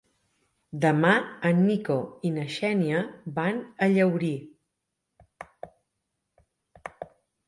Demà en Nico i na Xènia van a Llaurí.